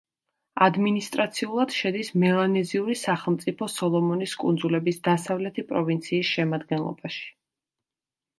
ადმინისტრაციულად შედის მელანეზიური სახელმწიფო სოლომონის კუნძულების დასავლეთი პროვინციის შემადგენლობაში.